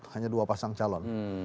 hanya dua pasang calon